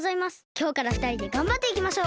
きょうからふたりでがんばっていきましょう。